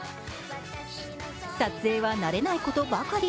撮影は慣れないことばかり。